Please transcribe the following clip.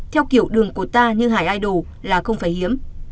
theo kiểu đường của ta như hải idol là không phải hiếm